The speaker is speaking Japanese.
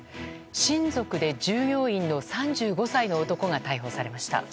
親族で従業員の３５歳の男が逮捕されました。